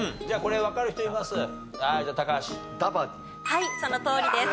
はいそのとおりです。